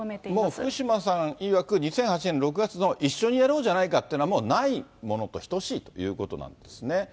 もう福島さんいわく、２００８年の６月の一緒にやろうというものはもうないものと等しいということなんですね。